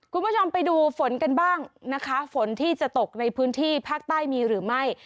คุณผู้ชมไปดูฝนกันบ้างนะคะฝนที่จะตกในพื้นที่ภาคใต้มีหรือไม่